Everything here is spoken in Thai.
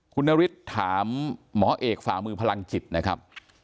คุณนฤทธิ์ถามหมอเอกฝ่ามือพลังจิตนะครับ